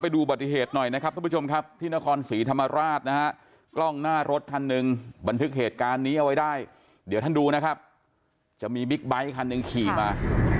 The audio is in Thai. ดูบัติเหตุหน่อยนะครับทุกผู้ชมครับที่นครศรีธรรมราชนะฮะกล้องหน้ารถคันหนึ่งบันทึกเหตุการณ์นี้เอาไว้ได้เดี๋ยวท่านดูนะครับจะมีบิ๊กไบท์คันหนึ่งขี่มา